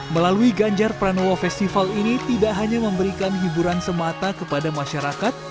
melalui ganjar pranowo festival ini tidak hanya memberikan hiburan semata kepada masyarakat